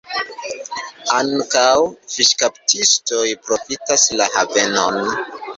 Ankaŭ fiŝkaptistoj profitas la havenon.